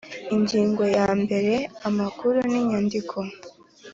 Ingingo ya mbere Amakuru n inyandiko